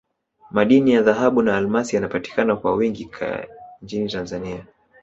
madini ya dhahabu na almasi yanapatikana kwa wingi nchini tanzania